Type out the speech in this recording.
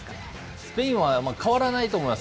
スペインは変わらないと思います。